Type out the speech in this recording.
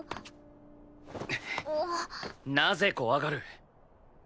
なぜ怖がる？